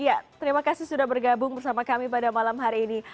ya terima kasih sudah bergabung bersama kami pada malam hari ini